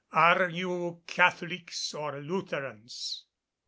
Are you Catholics or Lutherans?"